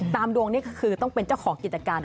ดวงนี้ก็คือต้องเป็นเจ้าของกิจการ